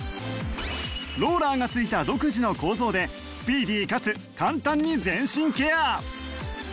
ローラーが付いた独自の構造でスピーディーかつ簡単に全身ケア